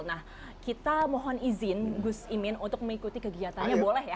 nah kita mohon izin gus imin untuk mengikuti kegiatannya boleh ya